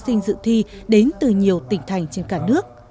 thí sinh dự thi đến từ nhiều tỉnh thành trên cả nước